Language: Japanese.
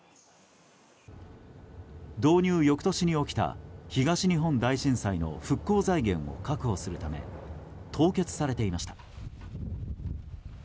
導入翌年に起きた東日本大震災の復興財源を確保するため凍結されていました。